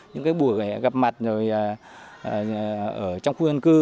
những buổi gặp mặt ở trong khu dân cư